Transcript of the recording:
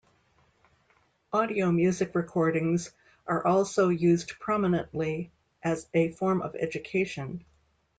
Audio music recordings are also used prominently as a form of education.